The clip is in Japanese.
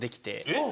・えっ！